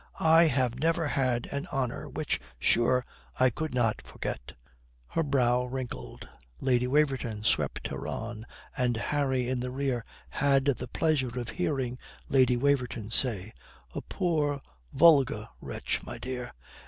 "I have never had an honour, which, sure, I could not forget." Her brow wrinkled. Lady Waverton swept her on, and Harry in the rear had the pleasure of hearing Lady Waverton say: "A poor, vulgar wretch, my dear.